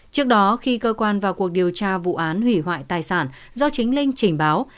trước đó khi cơ quan vào cuộc điều tra vụ án hủy hoại tài sản do chính linh trình báo